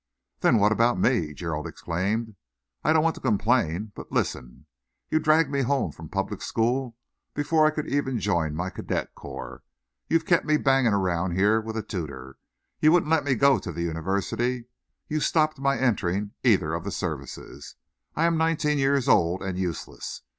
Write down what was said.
"Then what about me?" Gerald exclaimed. "I don't want to complain, but listen. You dragged me home from a public school before I could even join my cadet corps. You've kept me banging around here with a tutor. You wouldn't let me go to the university. You've stopped my entering either of the services. I am nineteen years old and useless.